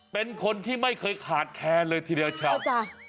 เป็นคนที่ไม่เคยขาดแคลนเลยทีเดียวชาวจ้ะ